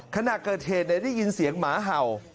ขนาดเกิดเหตุแบบได้น้อยเสียงหมาห่าว